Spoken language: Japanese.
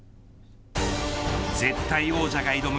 絶対王者が挑む